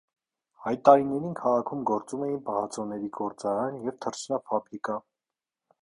Այդ տարիներին քաղաքում գործում էին պահածոների գործարան և թռչնաֆաբրիկա։